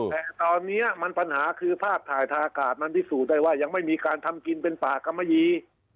แต่ตอนนี้มันปัญหาคือภาพถ่ายทางอากาศมันพิสูจน์ได้ว่ายังไม่มีการทำกินเป็นป่ากรรมมะยี